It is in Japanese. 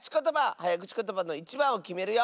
はやくちことばのいちばんをきめるよ！